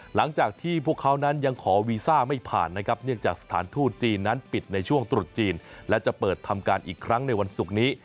หลังจากที่พวกเขานั้นยังขอวีซ่าไม่ผ่านนะครับเนื่องจากสถานทูตจีนนั้นปิดในช่วงตรุษจีนและจะเปิดทำการอีกครั้งในวันศุกร์นี้